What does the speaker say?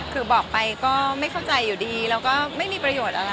คือบอกไปก็ไม่เข้าใจอยู่ดีแล้วก็ไม่มีประโยชน์อะไร